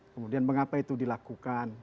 kemudian mengapa itu dilakukan